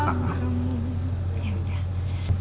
gak enak sama kakak